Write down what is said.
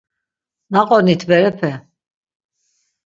Naqonit berepe.